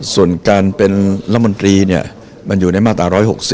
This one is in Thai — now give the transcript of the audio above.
ส่วนการเป็นละมนตรีมันอยู่ในมาตรา๑๖๐